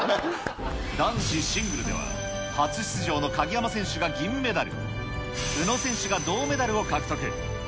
男子シングルでは、初出場の鍵山選手が銀メダル、宇野選手が銅メダルを獲得。